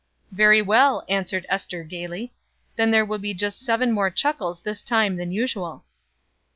"Very well," answered Ester, gayly; "then there will be just seven more chuckles this time than usual."